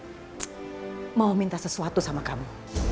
sintia tante mau minta sesuatu sama kamu